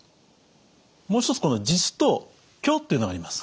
もう一つ実と虚っていうのがあります。